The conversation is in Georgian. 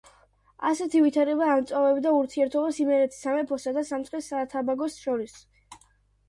ასეთი ვითარება ამწვავებდა ურთიერთობას იმერეთის სამეფოსა და სამცხე-საათაბაგოს შორის.